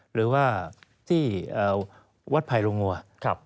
หรือว่าที่วัดไพรลงงัว